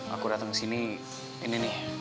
aku datang ke sini ini nih